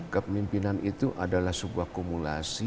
kepemimpinan itu adalah sebuah kumulasi